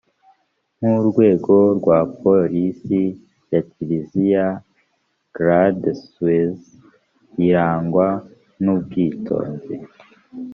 nk’ urwego rwa polisi ya kiliziya garde suwise irangwa n’ubwitonzi